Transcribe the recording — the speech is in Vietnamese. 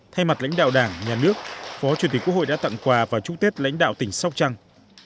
thay mặt lãnh đạo đảng nhà nước phó chủ tịch quốc hội đã tặng quà và chúc tết lãnh đạo tỉnh sóc trăng